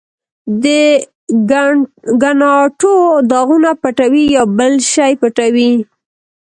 د ګناټو داغونه پټوې، یا بل شی پټوې؟